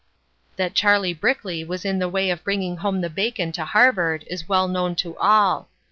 That Charlie Brickley was in the way of bringing home the bacon to Harvard is well known to all.